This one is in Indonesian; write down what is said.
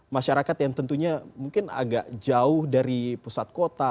masyarakat yang tentunya mungkin agak jauh dari pusat kota